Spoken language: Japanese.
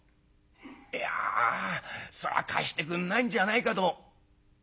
「いやそれは貸してくんないんじゃないかと」。